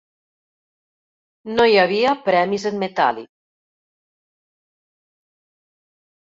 No hi havia premis en metàl·lic.